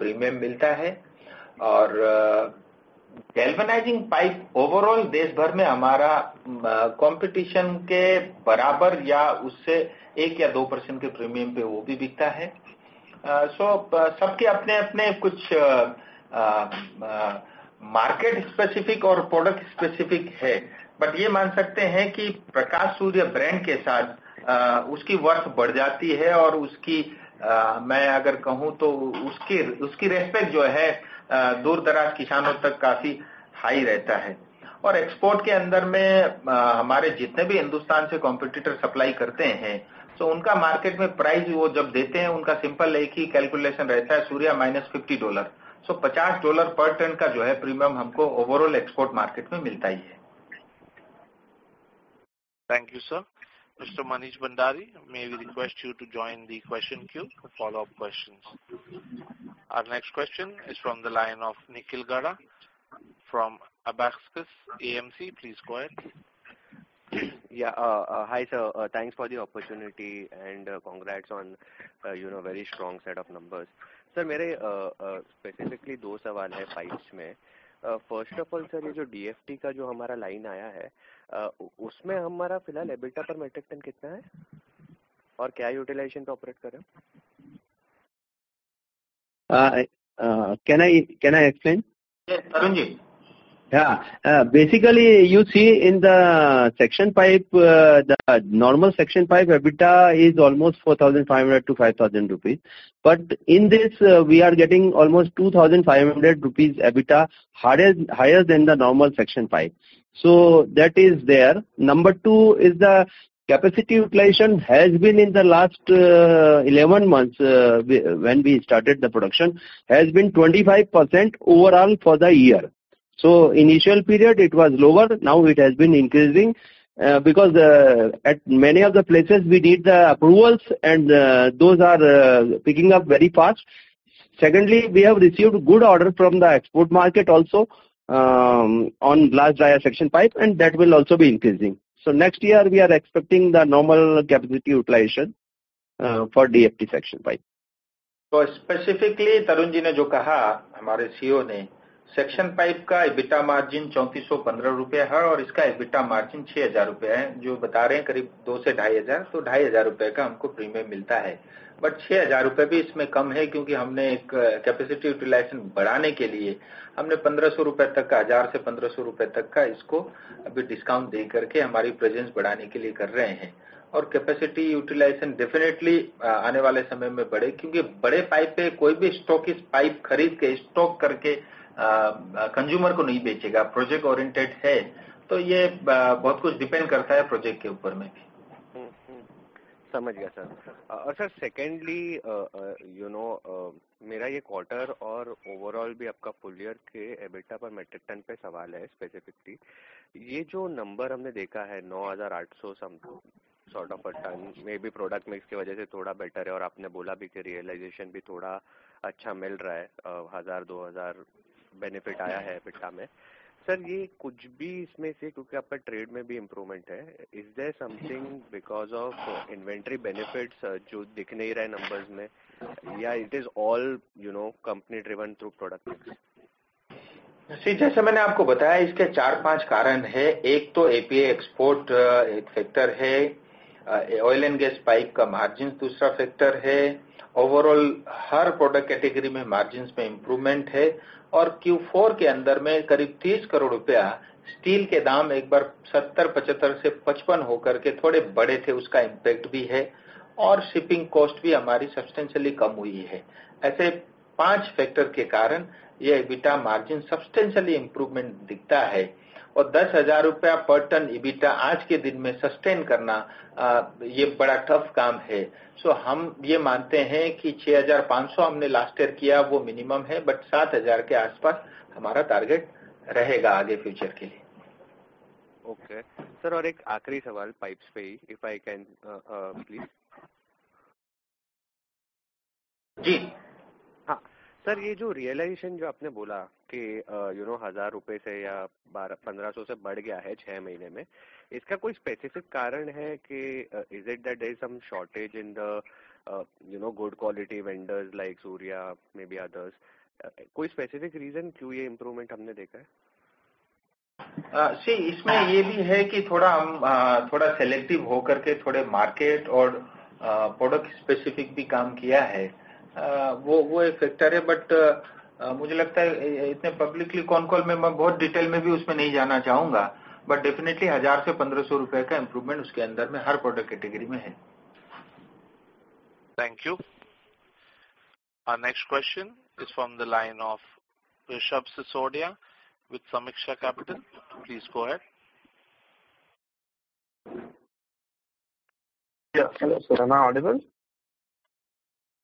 premium मिलता है और galvanizing pipe overall देशभर में हमारा competition के बराबर या उससे 1% or 2% के premium पे वो भी बिकता है. सबके अपने अपने कुछ market specific और product specific है. ये मान सकते हैं कि Prakash Surya brand के साथ उसकी worth बढ़ जाती है और उसकी मैं अगर कहूं तो उसकी respect जो है दूर दराज किसानों तक काफी high रहता है और export के अंदर में हमारे जितने भी Hindustan से competitor supply करते हैं तो उनका market में price वो जब देते हैं उनका simple एक ही calculation रहता है Surya minus $50 so $50 per ton का जो है premium हमको overall export market में मिलता ही है. Thank you, sir. Mr. Manish Bhandari, may we request you to join the question queue for follow-up questions. Our next question is from the line of Nikhil Gada from Abakkus AMC. Please go ahead. Hi sir, thanks for the opportunity and congrats on you know very strong set of numbers. Sir, मेरे specifically two सवाल है pipes में. First of all, sir, ये जो DFT का जो हमारा line आया है उसमें हमारा फिलहाल EBITDA per metric ton कितना है और क्या utilization पर operate कर रहे हैं? Can I explain? Yes Tarun. Basically you see in the section pipe the normal section pipe EBITDA is almost 4,500-5,000 rupees. In this we are getting almost 2,500 rupees EBITDA higher than the normal section pipe. That is there. Number two is the capacity utilization has been in the last 11 months when we started the production has been 25% overall for the year. Initial period it was lower. Now it has been increasing because at many of the places we need the approvals and those are picking up very fast. Secondly, we have received good order from the export market also on large dia section pipe and that will also be increasing. Next year we are expecting the normal capacity utilization for DFT section pipe. Specifically, Tarun ने जो कहा हमारे CEO ने section pipe का EBITDA margin INR 3,415 है और इसका EBITDA margin INR 6,000 है जो बता रहे हैं करीब INR 2,000 to INR 2,500, तो INR 2,500 का हमको premium मिलता है. INR 6,000 भी इसमें कम है. हमने capacity utilization बढ़ाने के लिए हमने INR 1,500 तक का INR 1,000-1,500 तक का इसको अभी discount दे करके हमारी presence बढ़ाने के लिए कर रहे हैं और capacity utilization definitely आने वाले समय में बढ़ेगी. बड़े pipe पे कोई भी stockist pipe खरीद के stock करके consumer को नहीं बेचेगा. Project oriented है तो ये बहुत कुछ depend करता है project के ऊपर में भी. समझ गया, Sir. Sir, secondly, you know, मेरा ये quarter और overall भी आपका full year के EBITDA per metric ton पे सवाल है specifically. ये जो number हमने देखा है INR 9,800 some two sort of a ton, maybe product mix की वजह से थोड़ा better है और आपने बोला भी कि realization भी थोड़ा अच्छा मिल रहा है. INR 1,000-2,000 benefit आया है EBITDA में. Sir, ये कुछ भी इसमें से क्योंकि आपका trade में भी improvement है. Is there something because of inventory benefits जो दिख नहीं रहा है numbers में या it is all, you know, company driven through product mix? जैसे मैंने आपको बताया इसके 4-5 कारण है। एक तो API export एक factor है। Oil and gas pipe का margin दूसरा factor है। Overall हर product category में margins में improvement है और Q4 के अंदर में करीब 30 crore रुपया steel के दाम एक बार INR 70, INR 75 से INR 55 होकर के थोड़े बढ़े थे। उसका impact भी है और shipping cost भी हमारी substantially कम हुई है। ऐसे 5 factor के कारण यह EBITDA margin substantially improvement दिखता है और INR 10,000 per ton EBITDA आज के दिन में sustain करना यह बड़ा tough काम है। हम यह मानते हैं कि 6,500 हमने last year किया। वह minimum है but 7,000 के आसपास हमारा target रहेगा आगे future के लिए। Okay sir और एक आखिरी सवाल pipes पे ही if I can please. जी। हाँ sir यह जो realization जो आपने बोला कि you know INR 1,000 से या INR 1,200-INR 1,500 से बढ़ गया है 6 महीने में। इसका कोई specific कारण है कि is it that there is some shortage in the you know good quality vendors like Surya may be others। कोई specific reason क्यों यह improvement हमने देखा है? इसमें यह भी है कि थोड़ा हम थोड़ा selective होकर के थोड़े market और product specific भी काम किया है। वह एक factor है but मुझे लगता है इतने publicly con call में मैं बहुत detail में भी उसमें नहीं जाना चाहूंगा but definitely INR 1,000-INR 1,500 का improvement उसके अंदर में हर product category में है। Thank you. Our next question is from the line of Rishabh Sisodia with Sameeksha Capital. Please go ahead. Hello sir, am I audible?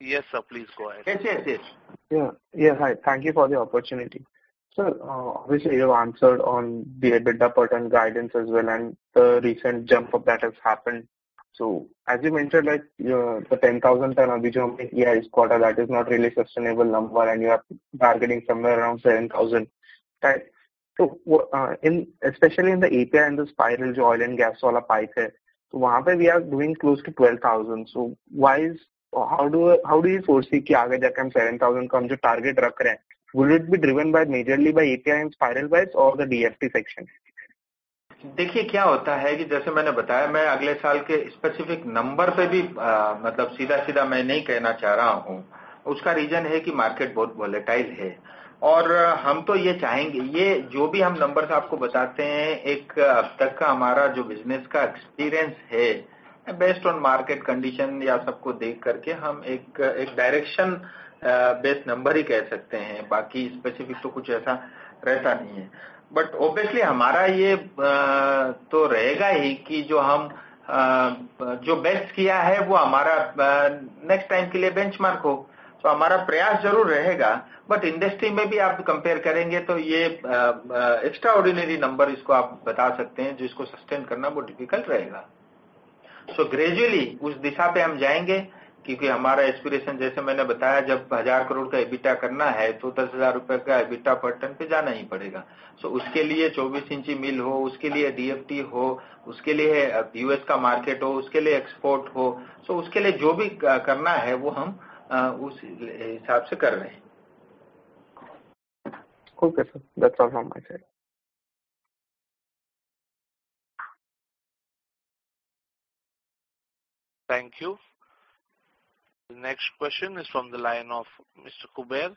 Yes sir, please go ahead. Yes, yes. Thank you for the opportunity. Sir obviously you have answered on the EBITDA per ton guidance as well and the recent jump up that has happened. As you mentioned like the 10,000 tons abhi jo humne ye is quarter that is not really sustainable number and you are targeting somewhere around 7,000. Right. In especially in the API and the spiral jo oil and gas wala pipe है तो वहां पर we are doing close to 12,000. Why is how do you foresee ki आगे जाकर हम 7,000 का हम जो target रख रहे हैं will it be driven by majorly by API and spiral wise or the DFT section? क्या होता है कि जैसे मैंने बताया मैं अगले साल के specific number पर भी मतलब सीधा-सीधा मैं नहीं कहना चाह रहा हूं। उसका reason है कि market बहुत volatile है और हम तो यह चाहेंगे यह जो भी हम numbers आपको बताते हैं, एक अब तक का हमारा जो business का experience है, based on market condition या सबको देख करके हम एक-एक direction based number ही कह सकते हैं। बाकी specific तो कुछ ऐसा रहता नहीं है but obviously हमारा यह तो रहेगा ही कि जो हम जो best किया है वह हमारा next time के लिए benchmark हो तो हमारा प्रयास जरूर रहेगा। Industry में भी आप compare करेंगे तो यह extraordinary number इसको आप बता सकते हैं जिसको sustain करना बहुत difficult रहेगा। Gradually उस दिशा में हम जाएंगे क्योंकि हमारा aspiration जैसे मैंने बताया जब INR 1,000 crore का EBITDA करना है तो INR 10,000 का EBITDA per ton पर जाना ही पड़ेगा। उसके लिए 24 inch मिल हो, उसके लिए DFT हो, उसके लिए U.S. का market हो, उसके लिए export हो so उसके लिए जो भी करना है वह हम उस हिसाब से कर रहे हैं। Okay sir, that's all from my side. Thank you. The next question is from the line of Mr. Kuber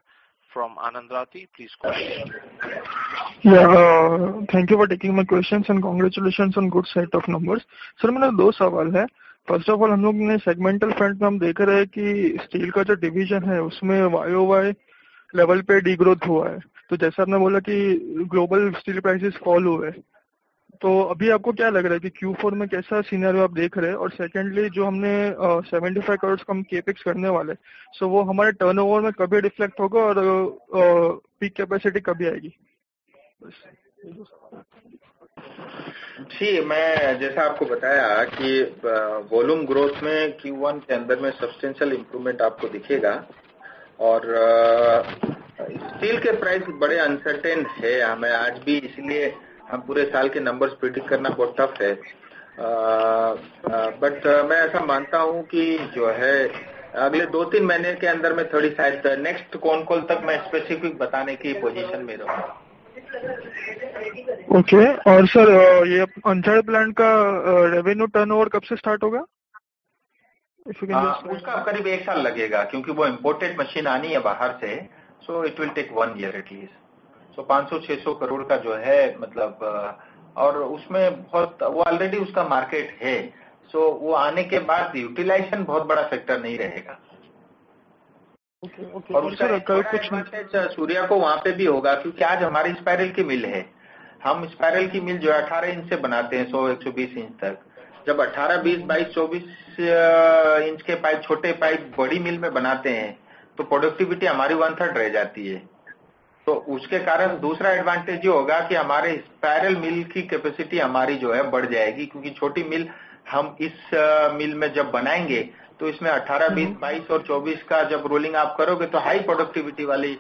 from Anand Rathi. Please go ahead. Thank you for taking my questions and congratulations on good set of numbers. Sir मेरे दो सवाल है। First of all हम लोग ने segmental front में हम देख रहे हैं कि steel का जो division है उसमें YOY level पर degrowth हुआ है। तो जैसे आपने बोला कि global steel prices fall हुए हैं तो अभी आपको क्या लग रहा है कि Q4 में कैसा scenario आप देख रहे हैं और secondly जो हमने INR 75 crore का हम CapEx करने वाले हैं वह हमारे turnover में कब reflect होगा और peak capacity कब आएगी? बस ये दो सवाल है। जी मैं जैसे आपको बताया कि volume growth में Q1 के अंदर में substantial improvement आपको दिखेगा और steel के price बड़े uncertain है हमें आज भी इसलिए हम पूरे साल के numbers predict करना बहुत tough है। मैं ऐसा मानता हूं कि जो है अगले 2-3 महीने के अंदर में थोड़ी शायद next con call तक मैं specific बताने की position में रहूंगा। Okay और sir यह Anjar plant का revenue turnover कब से start होगा? हाँ उसका करीब 1 साल लगेगा क्योंकि वह imported machine आनी है बाहर से it will take 1 year at least. 500 crore-600 crore का जो है मतलब और उसमें बहुत already उसका market है वह आने के बाद utilization बहुत बड़ा factor नहीं रहेगा. Okay और उसका कोई कुछ. Surya को वहां पर भी होगा क्योंकि आज हमारी spiral की mill है। हम spiral की mill जो 18 inch से बनाते हैं 100-120 inch तक। जब 18, 20, 22, 24 inch के pipe छोटे pipe बड़ी mill में बनाते हैं तो productivity हमारी one third रह जाती है। तो उसके कारण दूसरा advantage यह होगा कि हमारे spiral mill की capacity हमारी जो है बढ़ जाएगी। क्योंकि छोटी mill हम इस mill में जब बनाएंगे तो इसमें 18, 20, 22 और 24 का जब rolling आप करोगे तो high productivity वाली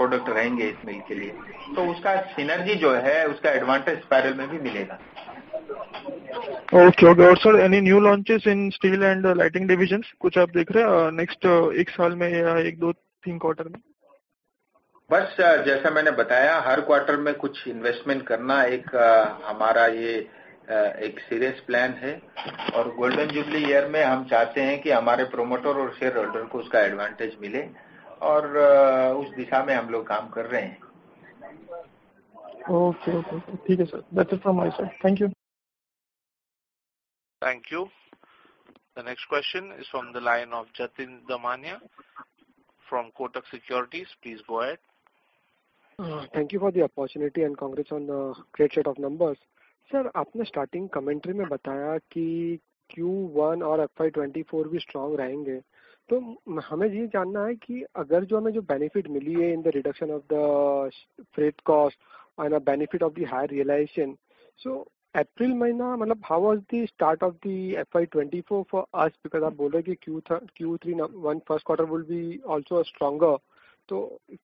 product रहेंगे इस mill के लिए। तो उसका synergy जो है उसका advantage spiral में भी मिलेगा। Okay और sir any new launches in steel and lighting divisions कुछ आप देख रहे हैं next 1 साल में या 1, 2, 3 quarter में? बस जैसा मैंने बताया हर quarter में कुछ investment करना एक हमारा यह एक serious plan है और golden jubilee year में हम चाहते हैं कि हमारे promoter और shareholder को उसका advantage मिले और उस दिशा में हम लोग काम कर रहे हैं। Okay okay ठीक है sir that is from my side. Thank you. Thank you. The next question is from the line of Jatin Damania from Kotak Securities. Please go ahead. Thank you for the opportunity and congrats on the great set of numbers. Sir आपने starting commentary में बताया कि Q1 और FY 2024 भी strong रहेंगे तो हमें यह जानना है कि अगर जो हमें जो benefit मिली है in the reduction of the freight cost and a benefit of the higher realization. April महीना मतलब how was the start of the FY 2024 for us because आप बोल रहे कि first quarter will be also stronger. तो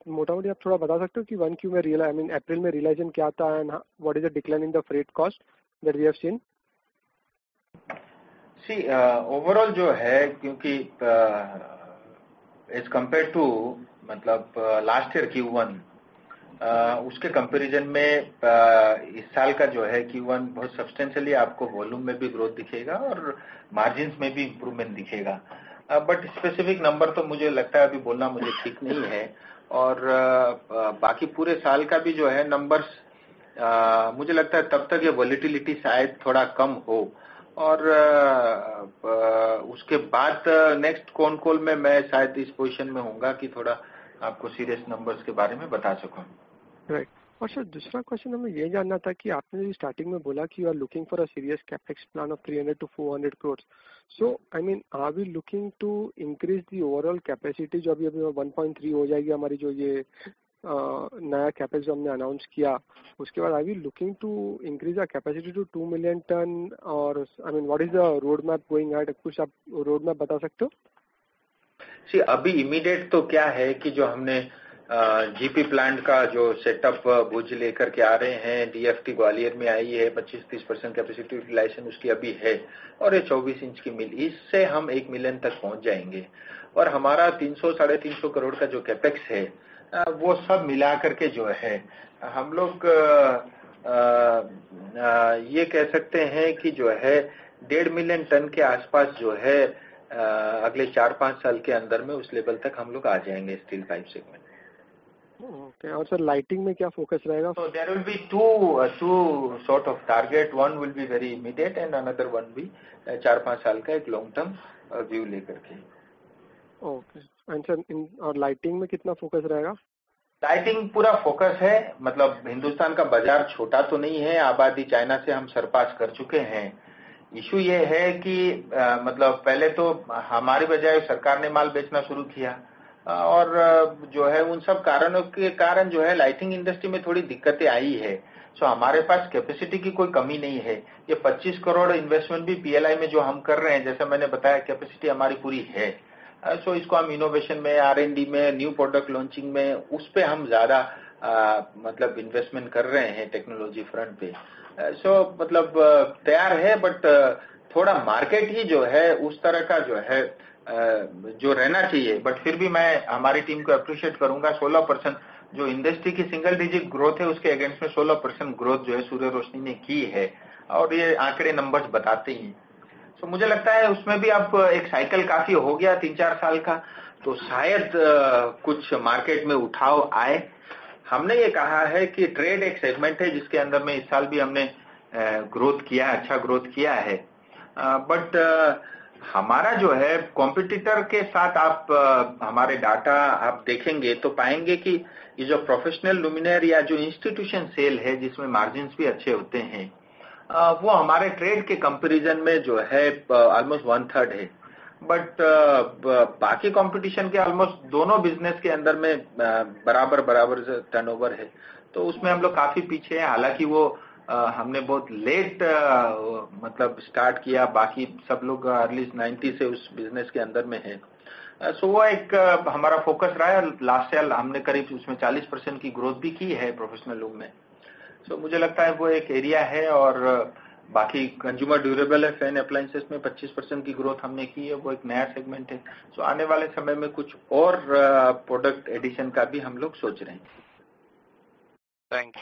मोटा मोटी आप थोड़ा बता सकते हो कि one Q में I mean April में realization क्या था and what is the decline in the freight cost that we have seen? Overall as compared to last year Q1, उसके comparison में इस साल का Q1 बहुत substantially आपको volume में भी growth दिखेगा और margins में भी improvement दिखेगा। Specific number तो मुझे लगता है अभी बोलना मुझे ठीक नहीं है और बाकी पूरे साल का भी numbers मुझे लगता है तब तक यह volatility शायद थोड़ा कम हो और उसके बाद next con call में मैं शायद इस position में होगा कि थोड़ा आपको serious numbers के बारे में बता सकूं। Right और sir दूसरा question हमें यह जानना था कि आपने starting में बोला कि you are looking for a serious CapEx plan of 300-400 crores. I mean are we looking to increase the overall capacity जो अभी अभी 1.3 हो जाएगी हमारी जो यह नया CapEx जो हमने announce किया? उसके बाद are we looking to increase our capacity to 2 million ton or I mean what is the roadmap going at? कुछ आप roadmap बता सकते हो? अभी immediate तो क्या है कि जो हमने GP plant का जो setup भुज लेकर के आ रहे हैं DFT Gwalior में आई है 25%-30% capacity utilization उसकी अभी है और यह 24-inch की mill इससे हम 1 million तक पहुंच जाएंगे और हमारा INR 300-350 crore का जो CapEx है वह सब मिलाकर के जो है हम लोग यह कह सकते हैं कि जो है 1.5 million tons के आसपास जो है अगले four to five years के अंदर में उस level तक हम लोग आ जाएंगे steel pipe segment. Okay sir lighting में क्या focus रहेगा? there will be 2 sort of target one will be very immediate and another one भी four to tfive साल का एक long term view लेकर के। Okay sir और lighting में कितना focus रहेगा? Lighting पूरा focus है। मतलब हिंदुस्तान का बाजार छोटा तो नहीं है। आबादी China से हम सरपास कर चुके हैं। Issue यह है कि मतलब पहले तो हमारी बजाय सरकार ने माल बेचना शुरू किया और उन सब कारणों के कारण lighting industry में थोड़ी दिक्कतें आई है। हमारे पास capacity की कोई कमी नहीं है। यह 25 crore investment भी PLI में जो हम कर रहे हैं। जैसा मैंने बताया capacity हमारी पूरी है। इसको हम innovation में R&D में new product launching में उस पर हम ज्यादा मतलब investment कर रहे हैं technology front पर। मतलब तैयार है थोड़ा market ही उस तरह का जो रहना चाहिए फिर भी मैं हमारी team को appreciate करूंगा 16% जो industry की single digit growth है उसके against में 16% growth Surya Roshni ने की है और यह आंकड़े numbers बताते हैं। मुझे लगता है उसमें भी अब एक cycle काफी हो गया 3-4 साल का तो शायद कुछ market में उठाव आए। हमने यह कहा है कि trade एक segment है जिसके अंदर में इस साल भी हमने growth किया है अच्छा growth किया है। हमारा competitor के साथ आप हमारे data आप देखेंगे तो पाएंगे कि यह जो professional luminaire या जो institution sale है जिसमें margins भी अच्छे होते हैं वह हमारे trade के comparison में almost one third है। बाकी competition के almost दोनों business के अंदर में बराबर-बराबर turnover है। उसमें हम लोग काफी पीछे हैं हालांकि वह हमने बहुत late मतलब start किया। बाकी सब लोग at least 90 से उस business के अंदर में हैं। वह एक हमारा focus रहा है। last year हमने करीब उसमें 40% की growth भी की है professional लोग में। मुझे लगता है वह एक area है और बाकी consumer durable and fan appliances में 25% की growth हमने की है। वह एक नया segment है। आने वाले समय में कुछ और product addition का भी हम लोग सोच रहे हैं। Thank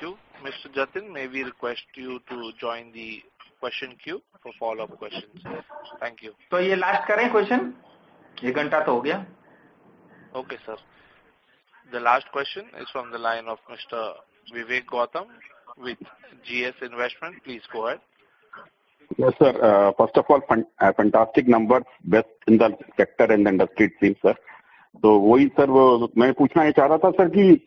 you. Mr. Jatin may we request you to join the question queue for follow up questions. Thank you. यह last करें question. 1 घंटा तो हो गया। Okay sir. The last question is from the line of Mr. Vivek Gautam with GS Investment. Please go ahead. Yes sir. First of all fantastic number best in the sector and industry it seems sir. तो वही sir मैं पूछना यह चाह रहा था sir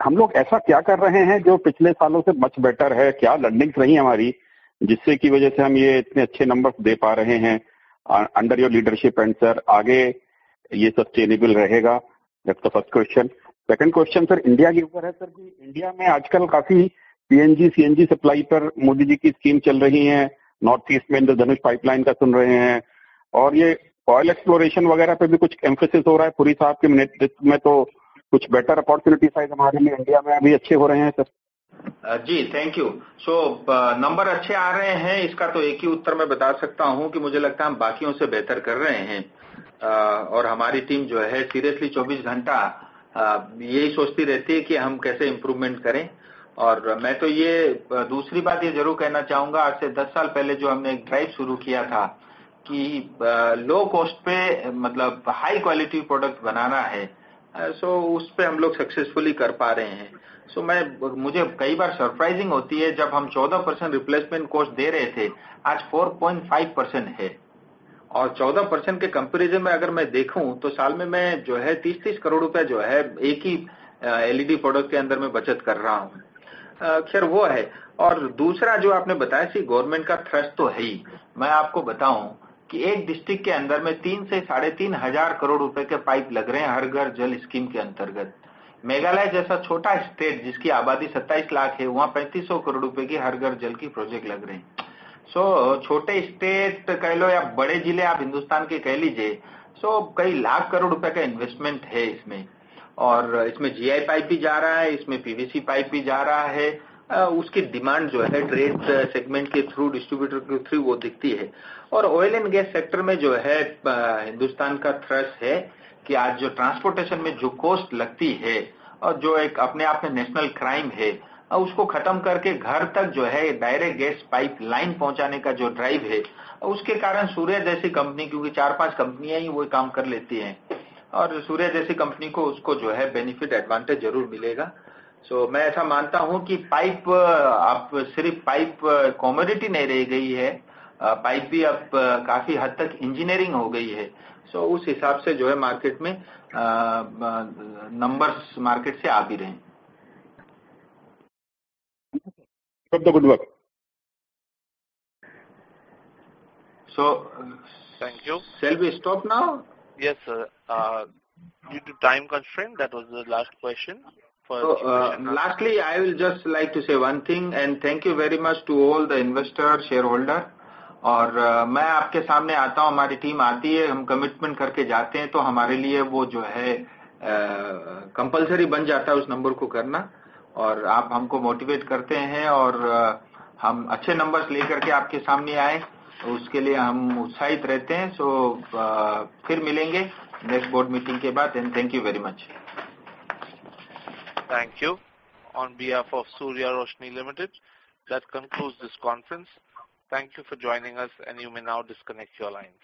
कि हम लोग ऐसा क्या कर रहे हैं जो पिछले सालों से much better है। क्या learnings रही हमारी जिसकी वजह से हम यह इतने अच्छे numbers दे पा रहे हैं under your leadership and sir आगे यह sustainable रहेगा। that's the first question. Second question sir India के ऊपर है sir कि India में आजकल काफी PNG, CNG supply पर Modi जी की scheme चल रही है। North East में Indradhanush pipeline का सुन रहे हैं। यह oil exploration वगैरह पर भी कुछ emphasis हो रहा है। पुरी साहब के leadership में तो कुछ better opportunity शायद हमारे लिए India में अभी अच्छे हो रहे हैं sir. Ji thank you. Number अच्छे आ रहे हैं इसका तो एक ही उत्तर मैं बता सकता हूँ कि मुझे लगता है हम बाकियों से बेहतर कर रहे हैं और हमारी team जो है seriously 24 घंटा यही सोचती रहती है कि हम कैसे improvement करें। मैं तो यह दूसरी बात यह जरूर कहना चाहूंगा आज से 10 साल पहले जो हमने एक drive शुरू किया था कि low cost पर मतलब high quality product बनाना है so उस पर हम लोग successfully कर पा रहे हैं। मैं मुझे कई बार surprising होती है जब हम 14% replacement cost दे रहे थे, आज 4.5% है और 14% के comparison में अगर मैं देखूं तो साल में मैं जो है INR 30-30 करोड़ रुपए जो है एक ही LED product के अंदर में बचत कर रहा हूँ। खैर वो है दूसरा जो आपने बताया कि government का trust तो है ही। मैं आपको बताऊं कि एक district के अंदर में INR 3,000-3,500 करोड़ रुपए के pipe लग रहे हैं हर घर जल scheme के अंतर्गत। मेघालय जैसा छोटा state जिसकी आबादी 27 लाख है, वहां 3,500 करोड़ रुपए की हर घर जल की project लग रही है। छोटे state कह लो या बड़े जिले आप हिंदुस्तान के कह लीजिए। INR कई लाख करोड़ रुपए का investment है इसमें और इसमें GI pipe भी जा रहा है। इसमें PVC pipe भी जा रहा है। उसकी demand जो है trade segment के through distributor के through वो दिखती है और oil and gas sector में जो है हिंदुस्तान का trust है कि आज जो transportation में जो cost लगती है और जो एक अपने आप में national crime है, उसको खत्म करके घर तक जो है direct gas pipe line पहुंचाने का जो drive है उसके कारण Surya जैसी company क्योंकि 4-5 कंपनियां ही वो काम कर लेती हैं और Surya जैसी company को उसको जो है benefit advantage जरूर मिलेगा। मैं ऐसा मानता हूं कि pipe अब सिर्फ pipe commodity नहीं रह गई है। pipe भी अब काफी हद तक engineering हो गई है। उस हिसाब से जो है market में numbers market से आ भी रहे हैं। Good work. Thank you. Shall we stop now? Yes sir. Due to time constraint that was the last question. Lastly, I will just like to say one thing and thank you very much to all the investor shareholder और मैं आपके सामने आता हूँ। हमारी team आती है। हम commitment करके जाते हैं तो हमारे लिए वो जो है compulsory बन जाता है उस number को करना और आप हमको motivate करते हैं और हम अच्छे numbers लेकर के आपके सामने आए उसके लिए हम उत्साहित रहते हैं। फिर मिलेंगे next board meeting के बाद। Thank you very much. Thank you on behalf of Surya Roshni Limited. That concludes this conference. Thank you for joining us and you may now disconnect your lines.